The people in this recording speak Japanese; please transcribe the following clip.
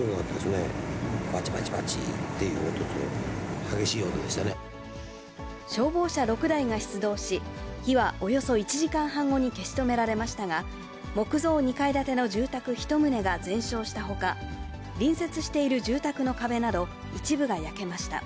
ばちばちばちという、消防車６台が出動し、火はおよそ１時間半後に消し止められましたが、木造２階建ての住宅１棟が全焼したほか、隣接している住宅の壁など、一部が焼けました。